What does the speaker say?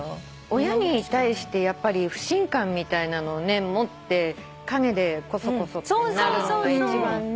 親に対して不信感みたいなのを持って陰でこそこそなるのが一番ね。